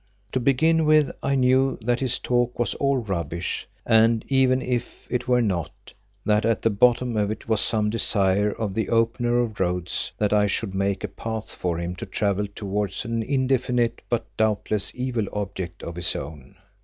To begin with I knew that his talk was all rubbish and, even if it were not, that at the bottom of it was some desire of the Opener of Roads that I should make a path for him to travel towards an indefinite but doubtless evil object of his own.